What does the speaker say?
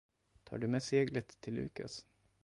Tar du med seglet till Lukas?